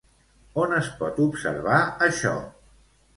On es pot observar això?